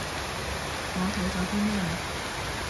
我睇咗啲咩